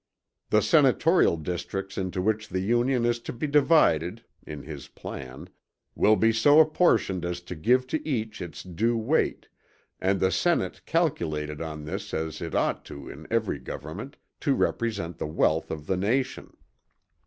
"The Senatorial districts into which the Union is to be divided [in his plan] will be so apportioned as to give to each its due weight, and the Senate calculated in this as it ought to be in every government, to represent the wealth of the nation."